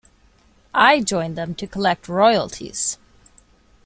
I joined them to collect royalties.